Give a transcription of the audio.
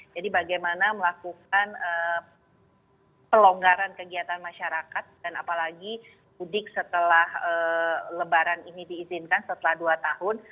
jadi bagaimana melakukan pelonggaran kegiatan masyarakat dan apalagi mudik setelah lebaran ini diizinkan setelah dua tahun